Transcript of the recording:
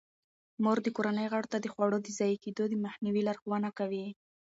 مور د کورنۍ غړو ته د خوړو د ضایع کیدو د مخنیوي لارښوونه کوي.